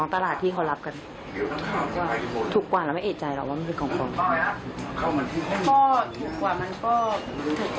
เงินเป็นเงินแปดหมื่น